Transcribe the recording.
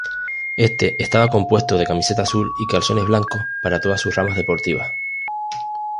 Éste estaba compuesto de camiseta azul y calzones blancos para todas sus ramas deportivas.